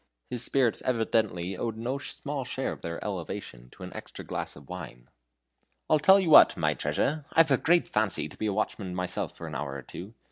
His spirits evidently owed no small share of their elevation to an extra glass of wine. "I'll tell you what, my treasure, I've a great fancy to be a watchman myself for an hour or two.